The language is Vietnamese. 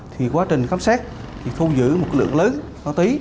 thì quá trình khám xét thì thu giữ một lượng lớn máu tí